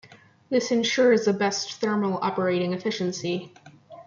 This ensures the best thermal operating efficiency.